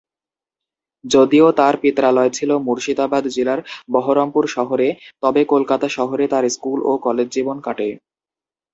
যদিও তার পিত্রালয় ছিল মুর্শিদাবাদ জেলার বহরমপুর শহরে, তবে কলকাতা শহরে তার স্কুল ও কলেজ জীবন কাটে।